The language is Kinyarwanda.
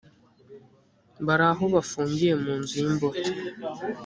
bari aho bafungiwe mu nzu y’ imbohe